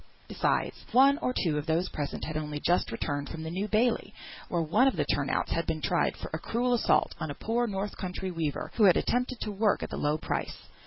Besides, one or two of those present had only just returned from the New Bailey, where one of the turn outs had been tried for a cruel assault on a poor north country weaver, who had attempted to work at the low price.